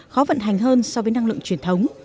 khó vận hành hơn so với năng lượng truyền thống